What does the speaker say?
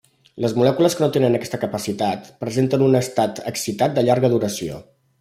Les molècules que no tenen aquesta capacitat presenten un estat excitat de llarga duració.